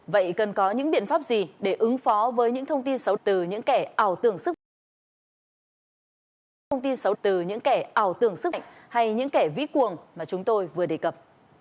vậy cần có những biện pháp gì để ứng phó với những thông tin xấu từ những kẻ ảo tưởng sức mạnh hay những kẻ ví cuồng mà chúng tôi vừa đề cập